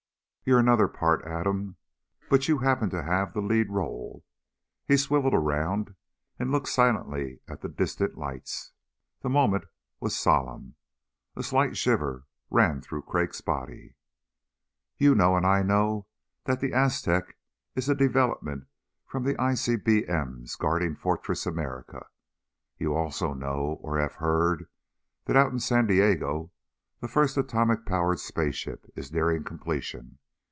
You're another part, Adam, but you happen to have the lead role." He swiveled around and looked silently at the distant lights. The moment was solemn. A slight shiver ran through Crag's body. "You know and I know that the Aztec is a development from the ICBM's guarding Fortress America. You also know, or have heard, that out in San Diego the first atom powered spaceship is nearing completion."